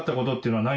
はい。